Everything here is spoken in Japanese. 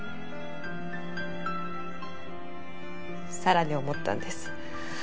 さらに思ったんです。